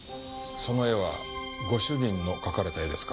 その絵はご主人の描かれた絵ですか？